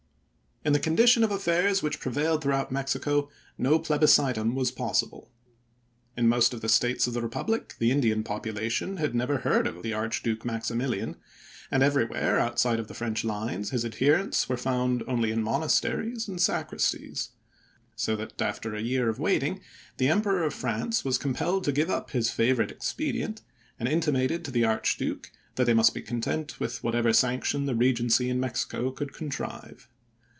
In the condition of affairs which prevailed throughout Mexico, no plebiscitum was possible. In most of the States of the republic the Indian population had never heard of the Archduke Maxi milian, and everywhere outside of the French lines his adherents were found only in monasteries and sacristies ; so that, after a year of waiting, the Emperor of France was compelled to give up his MAXIMILIAN 411 favorite expedient, and intimated to the Archduke chap. xiv. that they must be content with whatever sanction the Regency in Mexico could contrive.